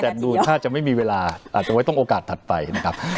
แต่ดูถ้าจะไม่มีเวลาอาจจะไว้ต้องโอกาสถัดไปนะครับ